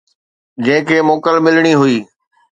جنهن کي موڪل ملڻي هئي.